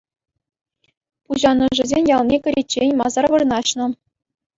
Пуҫанӑшӗсен ялне кӗриччен масар вырнаҫнӑ.